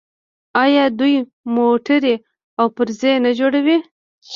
آیا دوی موټرې او پرزې نه جوړوي؟